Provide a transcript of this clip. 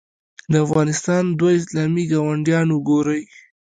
د افغانستان دوه اسلامي ګاونډیان وګورئ.